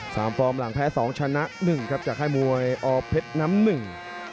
ฟอร์มหลังแพ้สองชนะหนึ่งครับจากค่ายมวยอเพชรน้ำหนึ่ง